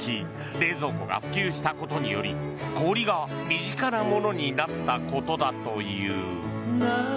冷蔵庫が普及したことにより氷が身近なものになったことだという。